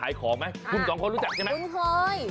อ้าวโอ้โฮขับเร็วขนาดนี้